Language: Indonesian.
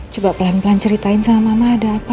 coba pelan pelan ceritain sama mama ada apa